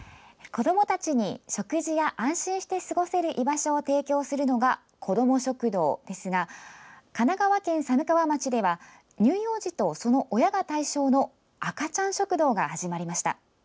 子どもたちに食事や安心して過ごせる居場所を提供するのが子ども食堂ですが神奈川県寒川町では乳幼児とその親が対象の赤ちゃん食堂が始まりました。